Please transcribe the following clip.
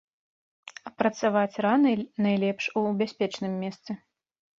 Апрацаваць раны найлепш у бяспечным месцы.